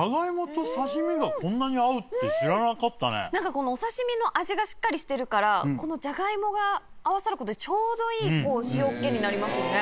このお刺し身の味がしっかりしてるからこのジャガイモが合わさることでちょうどいい塩っ気になりますね。